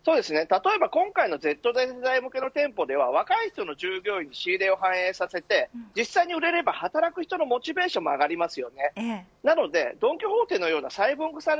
例えば今回のＺ世代向けの店舗では若い人の従業員に仕入れを反映させて実際に売れれば働く人のモチベーションも上がります。